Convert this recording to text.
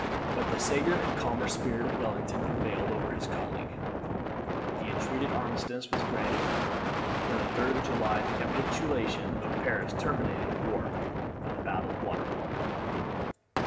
But the sager and calmer spirit of Wellington prevailed over his colleague; the entreated armistice was granted; and on the 3d of July the capitulation of Paris terminated the War of the Battle of Waterloo.